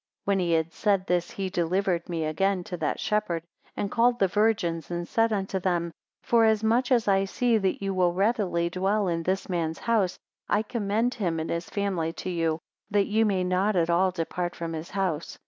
21 When he had said this, he delivered me again to that shepherd, and called the virgins, and said unto them; Forasmuch as I see that ye will readily dwell in this man's house, I commend him and his family to you, that ye may not at all depart from his house.